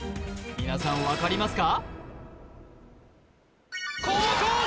皆さん分かりますか？